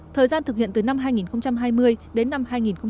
thời gian thực hiện từ năm hai nghìn hai mươi đến năm hai nghìn hai mươi